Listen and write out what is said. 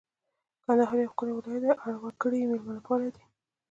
کندهار یو ښکلی ولایت دی اړ وګړي یې مېلمه پاله دي